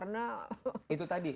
nah itu tadi